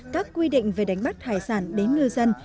các quy định về đánh bắt hải sản đến ngư dân